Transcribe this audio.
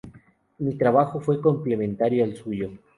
Mi trabajo fue complementario al suyo.